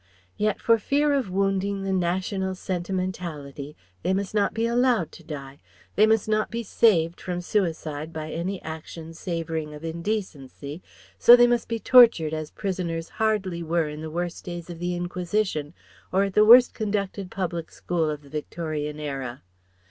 Yet for fear of wounding the national sentimentality they must not be allowed to die; they must not be saved from suicide by any action savouring of indecency; so they must be tortured as prisoners hardly were in the worst days of the Inquisition or at the worst conducted public school of the Victorian era.